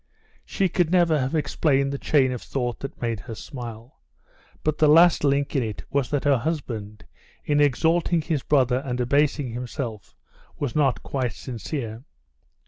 She could never have explained the chain of thought that made her smile; but the last link in it was that her husband, in exalting his brother and abasing himself, was not quite sincere.